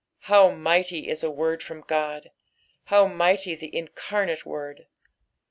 How mighty is a word from God I How mighty the Incarnate Word.